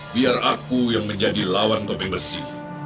biar aku yang menjadi lawan topeng besi